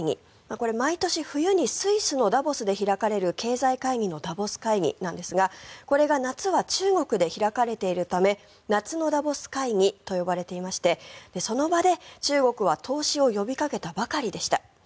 これ、毎年冬にスイスのダボスで開かれる経済会議のダボス会議なんですがこれが夏は中国で開かれているため夏のダボス会議と呼ばれていましてその場で中国は投資を呼びかけたばかりでした。